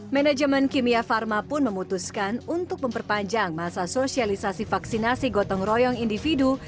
manajemen kimia pharma pun memutuskan untuk memperpanjang masa sosialisasi vaksinasi gotong royong individu